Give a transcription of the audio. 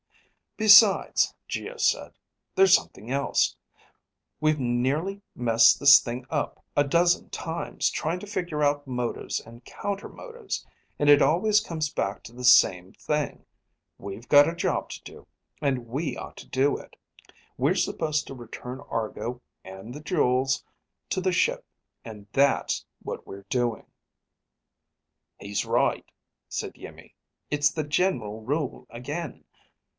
"Besides," Geo said. "There's something else. We've nearly messed this thing up a dozen times trying to figure out motives and counter motives. And it always comes back to the same thing: we've got a job to do, and we ought to do it. We're suppose to return Argo and the jewels to the ship, and that's what we're doing." "He's right," said Iimmi. "It's the general rule again.